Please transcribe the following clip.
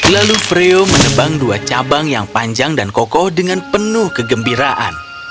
lalu freo menebang dua cabang yang panjang dan kokoh dengan penuh kegembiraan